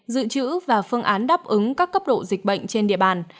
dự trữ và phương án đáp ứng các cấp độ dịch bệnh trên địa bàn